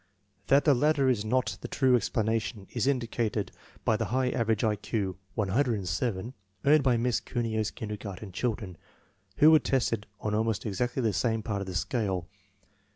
That the latter is not the true explanation is indicated by the high average I Q (107) earned by Miss Cuneo's kinder garten children, who were tested on almost exactly the same part of the scale.